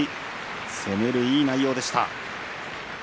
攻めるいい内容でした。